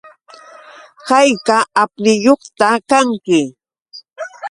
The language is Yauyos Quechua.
¿Hayka apniyuqta kanki?